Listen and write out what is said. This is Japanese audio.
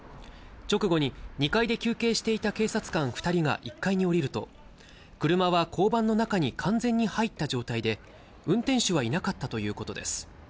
直後に２回で休憩していた警察官２人が１階に下りると、車は交番の中に完全に入った状態で、運転手はいなかったということです。